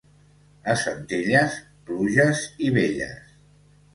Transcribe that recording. A Centelles, pluges i velles.